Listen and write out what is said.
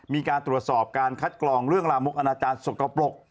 มีการตรวจสอบการคัดกรองเรื่องลามกอนาจารย์สกปรก